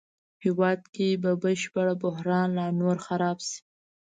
هېواد کې به بشري بحران لا نور خراب شي